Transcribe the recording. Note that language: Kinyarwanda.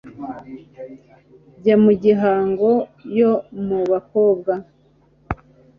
Njya mu Gihango yo mu Bakobwa